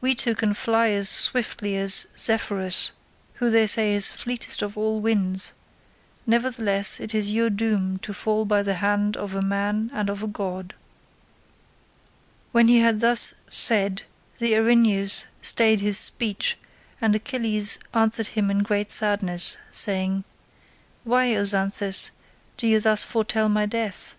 We two can fly as swiftly as Zephyrus who they say is fleetest of all winds; nevertheless it is your doom to fall by the hand of a man and of a god." When he had thus said the Erinyes stayed his speech, and Achilles answered him in great sadness, saying, "Why, O Xanthus, do you thus foretell my death?